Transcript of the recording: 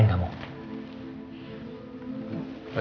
terima kasih pak